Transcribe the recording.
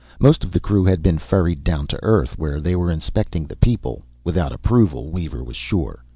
Most of the crew had been ferried down to Earth, where they were inspecting the people (without approval, Weaver was sure).